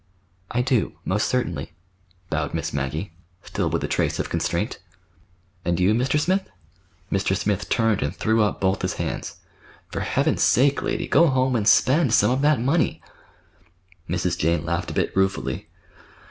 "I do, most certainly," bowed Miss Maggie, still with a trace of constraint. "And you, Mr. Smith?" Mr. Smith turned and threw up both his hands. "For Heaven's sake, lady, go home, and spend—some of that money!" Mrs. Jane laughed a bit ruefully.